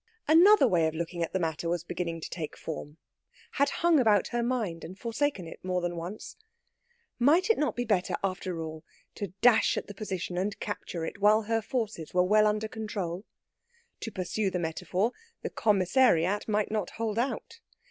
Another way of looking at the matter was beginning to take form: had hung about her mind and forsaken it more than once. Might it not be better, after all, to dash at the position and capture it while her forces were well under control? To pursue the metaphor, the commissariat might not hold out.